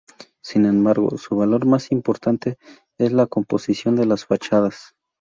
Sin embargo, su valor más importante es la composición de las fachadas.